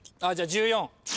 じゃあ１４。